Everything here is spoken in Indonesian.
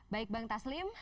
baik bang taslim